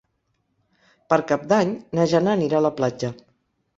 Per Cap d'Any na Jana anirà a la platja.